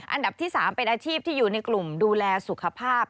อันดับที่๓เป็นอาชีพที่อยู่ในกลุ่มดูแลสุขภาพ